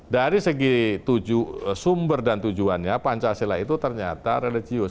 dari segi sumber dan tujuannya pancasila itu ternyata religius